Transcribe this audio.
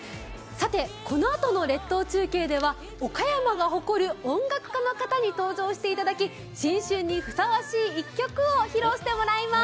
このあとの列島中継では岡山が誇る音楽家の方に登場していただき、新春にふさわしい１曲を披露していただきます。